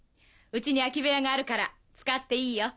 家に空き部屋があるから使っていいよ。